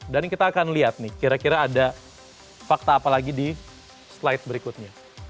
dan kita akan lihat nih kira kira ada fakta apa lagi di slide berikutnya